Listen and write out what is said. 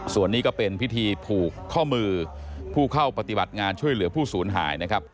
ส่วนนี้ก็เป็นพิธีผูกข้อมือผู้เข้าปฏิบัติงานช่วยเหลือผู้ศูนย์หายนะครับ